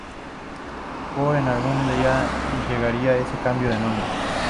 Pero en algún día llegaría ese cambio de nombre.